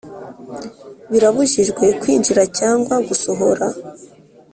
Birabujijwe kwinjiza cyangwa gusohora